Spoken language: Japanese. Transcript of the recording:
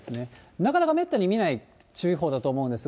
なかなかめったに見ない注意報だと思うんですが、